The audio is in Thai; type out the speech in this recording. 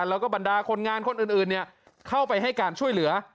แล้วก็บรรดาคนงานคนอื่นเข้าไปให้การช่วยเหลือ